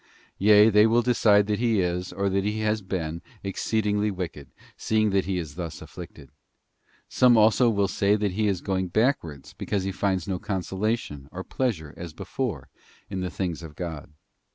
Yea, they will decide that he is, or that he has been, exceed ingly wicked, seeing that he is thus afflicted. Some also will say that he is going backwards, because he finds no consola tion or pleasure, as before, in the things of God.